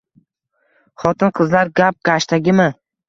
Xotin-qizlar gap-gashtagimi?